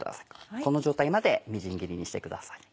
この状態までみじん切りにしてください。